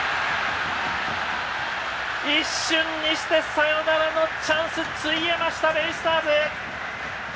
一瞬にしてサヨナラのチャンス費えました、ベイスターズ。